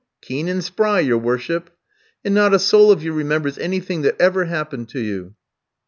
"'Keen and spry, your worship.' "'And not a soul of you remembers anything that ever happened to you.'